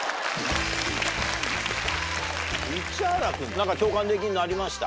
市原君何か共感できるのありました？